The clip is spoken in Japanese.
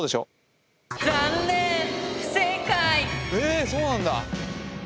えそうなんだ。